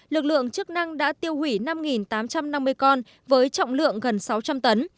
lực lượng chức năng đã tiêu hủy năm tám trăm năm mươi con với trọng lượng gần sáu trăm linh tấn